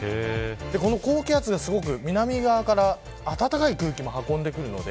高気圧が南側から暖かい空気を運んでくるので